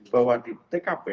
bahwa di tkp